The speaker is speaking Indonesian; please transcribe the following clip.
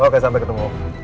oke sampai ketemu